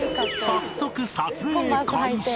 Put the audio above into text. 早速撮影開始